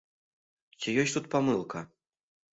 Ці ёсць тут памылка?